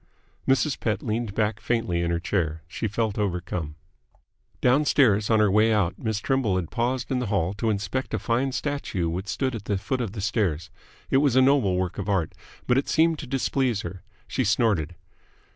Mrs. Pett leaned back faintly in her chair. She felt overcome. Downstairs, on her way out, Miss Trimble had paused in the hall to inspect a fine statue which stood at the foot of the stairs. It was a noble work of art, but it seemed to displease her. She snorted.